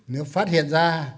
nếu phát hiện ra